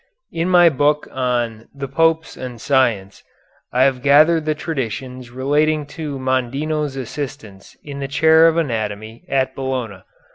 In my book on "The Popes and Science" I have gathered the traditions relating to Mondino's assistants in the chair of anatomy at Bologna.